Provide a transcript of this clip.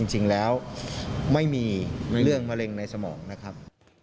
จริงแล้วไม่มีเรื่องมะเร็งในสมองนะครับ